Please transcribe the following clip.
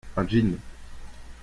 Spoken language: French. Un jean.